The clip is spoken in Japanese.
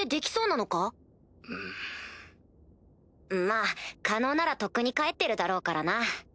まぁ可能ならとっくに帰ってるだろうからな。